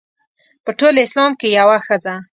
په ټول اسلام کې یوه ښځه.